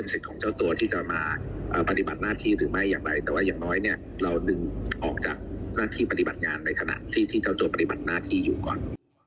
ในขณะที่เจ้าตัวปฏิบัติหน้าที่อยู่ก่อน